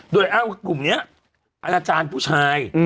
โดยอ้างว่ากลุ่มนี้อาณาจารย์ผู้ชาย